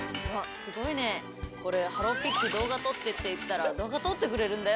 すごいねこれ「ハローピック動画撮って」って言ったら動画撮ってくれるんだよ